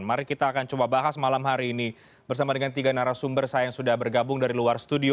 mari kita akan coba bahas malam hari ini bersama dengan tiga narasumber saya yang sudah bergabung dari luar studio